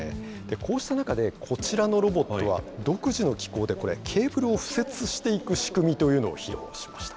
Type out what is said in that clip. こうした中で、こちらのロボットは、独自の機工で、これ、ケーブルを敷設していく仕組みというのを披露しました。